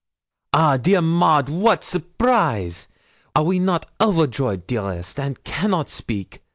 'Ah, dear Maud, what surprise! Are we not overjoy, dearest, and cannot speak?